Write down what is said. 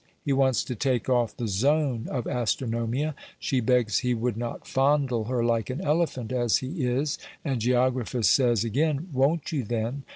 He wants to take off the zone of Astronomia. She begs he would not fondle her like an elephant as he is; and Geographus says again, "Won't you then?"